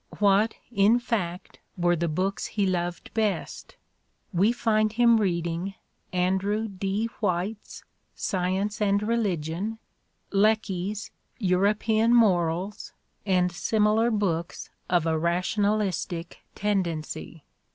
What, in fact, were the books he loved best? We find him reading Andrew D. White's "Science and Religion," Lecky's "European Morals" and similar books of a rationalistic tendency.